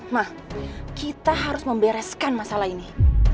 mah kita harus membereskan masalah ini